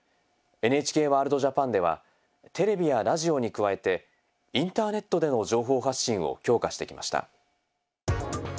「ＮＨＫワールドＪＡＰＡＮ」ではテレビやラジオに加えてインターネットでの情報発信を強化してきました。